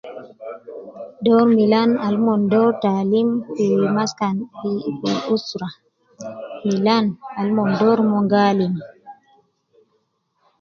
Doru milan al mon doru te alim fi maskan fi usra, milan al mon doru mon gi alim